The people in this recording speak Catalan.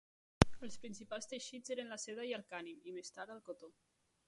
Els principals teixits eren la seda i el cànem, i més tard el cotó.